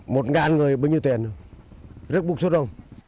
một ngàn người bao nhiêu tiền không rất bức xúc không